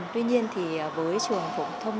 tuy nhiên thì với trường phổng thông